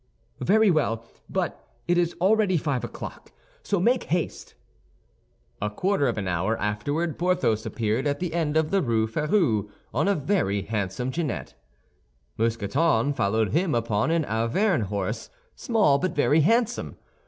"Very well; but it is already five o'clock, so make haste." A quarter of an hour afterward Porthos appeared at the end of the Rue Férou on a very handsome genet. Mousqueton followed him upon an Auvergne horse, small but very handsome.